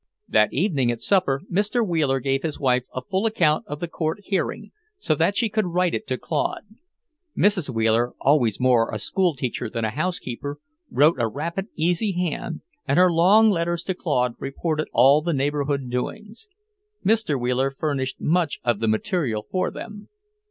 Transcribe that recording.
That evening at supper Mr. Wheeler gave his wife a full account of the court hearing, so that she could write it to Claude. Mrs. Wheeler, always more a school teacher than a housekeeper, wrote a rapid, easy hand, and her long letters to Claude reported all the neighbourhood doings. Mr. Wheeler furnished much of the material for them.